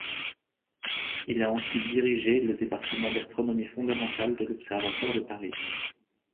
Il a ensuite dirigé le Département d'astronomie fondamentale de l'Observatoire de Paris.